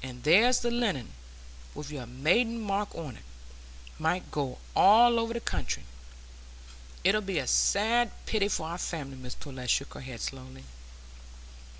And there's the linen, with your maiden mark on, might go all over the country. It 'ud be a sad pity for our family." Mrs Pullet shook her head slowly.